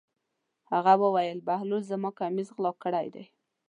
هغه وویل: بهلول زما کمیس غلا کړی دی.